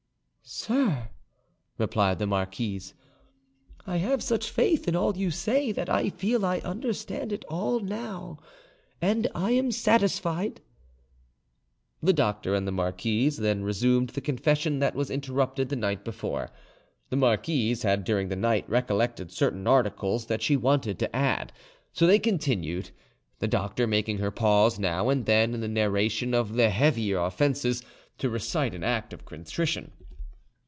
"Sir," replied the marquise, "I have such faith in all you say that I feel I understand it all now, and I am satisfied." The doctor and the marquise then resumed the confession that was interrupted the night before. The marquise had during the night recollected certain articles that she wanted to add. So they continued, the doctor making her pause now and then in the narration of the heavier offences to recite an act of contrition.